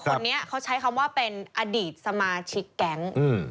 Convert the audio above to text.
คนนี้เขาใช้คำว่าเป็นอดีตสมาชิกแก๊ง